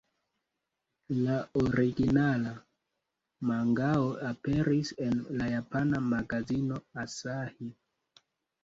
La originala mangao aperis en la japana magazino Asahi.